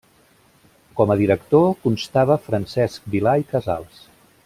Com a director constava Francesc Vilà i Casals.